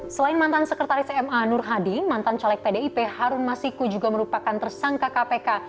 selain mantan sekretaris ma nur hadi mantan caleg pdip harun masiku juga merupakan tersangka kpk